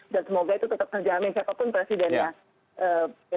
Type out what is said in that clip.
dan semoga itu tetap terjamin siapapun presidennya